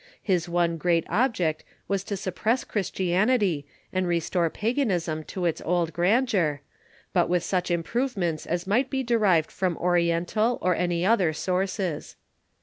His one great object was to suppress Christianity, and restore paganism to its old grandeur, but with such improvements as might be de rived from Oriental or any other sources.